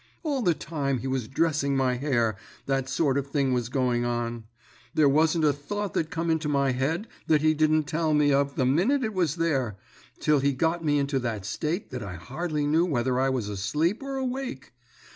All the time he was dressing my hair that sort of thing was going on; there wasn't a thought that come into my head that he didn't tell me of the minute it was there, till he got me into that state that I hardly knew whether I was asleep or awake.